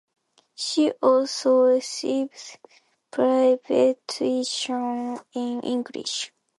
She also received private tuition in English.